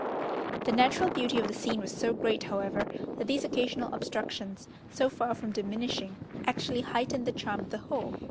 The natural beauty of the scene was so great, however, that these occasional obstructions, so far from diminishing, actually heightened the charm of the whole.